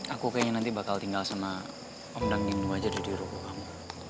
aku kayaknya nanti bakal tinggal sama om dangdino aja di rumah kamu